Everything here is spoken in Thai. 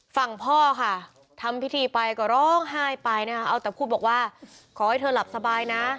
ฝั่งพ่อค่ะทำพิธีไปก็ร้องไห้ไปนะคะเอาแต่พูดบอกว่าขอให้เธอหลับสบายนะ